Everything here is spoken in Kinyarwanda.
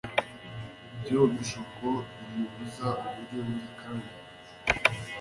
Ibyo bishuko bimubuza uburyo buri kanya.